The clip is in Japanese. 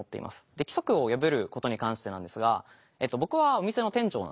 で規則を破ることに関してなんですが僕はお店の店長なんですね。